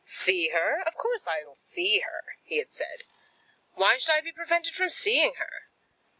"See her; of course I'll see her," he had said. "Why should I be prevented from seeing her?"